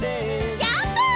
ジャンプ！